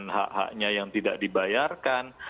hak haknya yang tidak dibayarkan